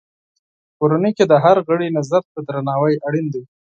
کورنۍ کې د هر غړي نظر ته درناوی اړین دی.